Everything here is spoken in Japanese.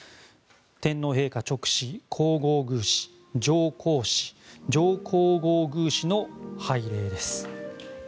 天皇陛下勅使、皇后宮使上皇使、上皇后宮使の拝礼です。